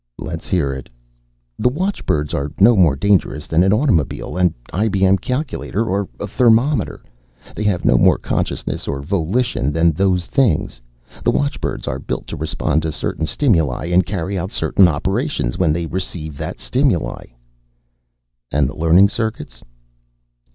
"Let's hear it." "The watchbirds are no more dangerous than an automobile, an IBM calculator or a thermometer. They have no more consciousness or volition than those things. The watchbirds are built to respond to certain stimuli, and to carry out certain operations when they receive that stimuli." "And the learning circuits?"